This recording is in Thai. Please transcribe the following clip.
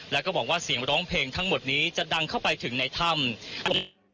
แล้วก็บอกว่าเสียงร้องเพลงทั้งหมดนี้จะดังเข้าไปถึงในถ้ำ